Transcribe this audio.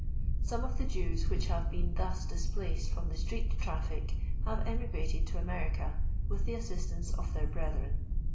Some of the Jflwi whicb bare been thus dii pUced frtmi the street traffic have emigrated to America, with the assistance of their brethren.